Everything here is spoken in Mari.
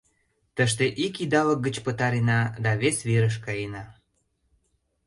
Тыште ик идалык гыч пытарена да вес верыш каена.